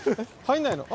入んないの？